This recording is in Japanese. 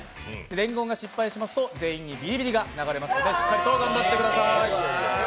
伝言が失敗しますと全員にビリビリが流れますので気をつけてください。